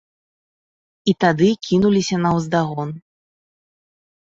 І тады кінуліся наўздагон.